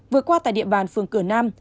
vừa qua tại địa bàn phường cửa nam